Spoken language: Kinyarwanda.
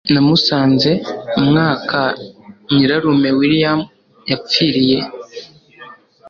Namusanze umwaka nyirarume William yapfiriye.